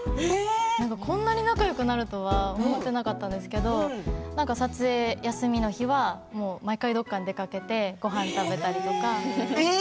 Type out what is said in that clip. こんなに仲がよくなると思ってなかったんですが撮影が休みの日は、毎回どこかに出かけてごはんを食べたりとか。